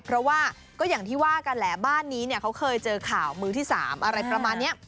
เพราะว่าก็อย่างที่ว่ากันแหละบ้านนี้เนี่ยเขาเคยเจอข่าวมือที่๓อะไรประมาณนี้